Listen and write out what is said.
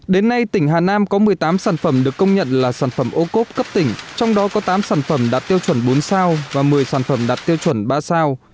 đến nay tỉnh hà nam có một mươi tám sản phẩm được công nhận là sản phẩm ô cốp cấp tỉnh trong đó có tám sản phẩm đạt tiêu chuẩn bốn sao và một mươi sản phẩm đạt tiêu chuẩn ba sao